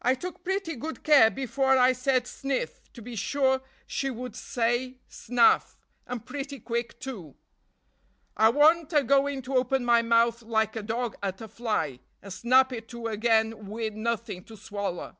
"I took pretty good care, before I said 'sniff,' to be sure she would say 'snaff,' and pretty quick, too. I warn't a goin' to open my mouth like a dog at a fly, and snap it to again wi' nothin' to swaller."